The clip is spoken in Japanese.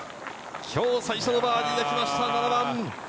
今日最初のバーディーが来ました７番。